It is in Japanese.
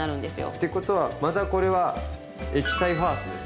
ってことはまたこれは「液体ファースト」ですね。